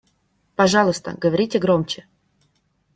Пожалуйста, говорите громче.